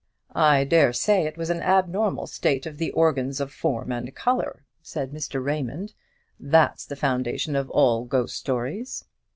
"I dare say it was an abnormal state of the organs of form and colour," said Mr. Raymond. "That's the foundation of all ghost stories."